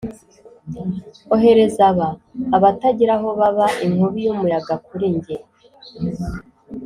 ohereza aba, abatagira aho baba, inkubi y'umuyaga kuri njye,